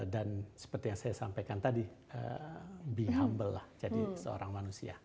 dan seperti yang saya sampaikan tadi be humble lah jadi seorang manusia